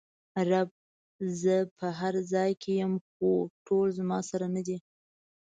رب: زه په هر ځای کې ېم خو ټول زما سره ندي!